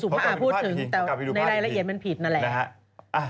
ในรายละเอียดมันผิดนั่นแหละ